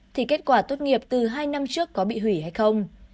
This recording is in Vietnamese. thì kết quả tốt nghiệp từ hai năm trước có bị hủy hay không